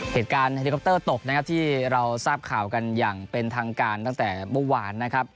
เหตุการณ์เฮลิคอปเตอร์ตกนะครับที่เราทราบข่าวกันอย่างเป็นทางการตั้งแต่เมื่อวานนะครับ